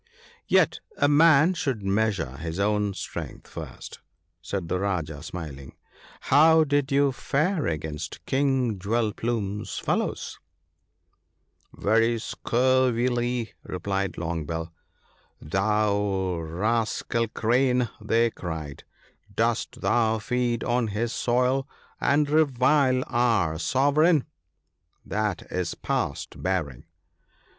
i Yet a man should measure his own strength first/ said the Rajah, smiling ;' how did you fare against King Jewel plume's fellows ?' 'Very scurvily,' replied Long bill. "Thou rascai Crane," they cried, " dost thou feed on his soil, and revile our Sovereign ? That is past bearing